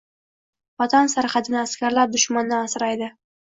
Vatan sarhadini askarlar dushmandan asraydi